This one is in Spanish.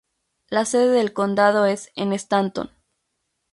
La sede del condado es Stanton.